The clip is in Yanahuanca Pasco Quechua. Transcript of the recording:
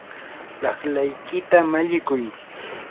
laqlaykita mallikuy.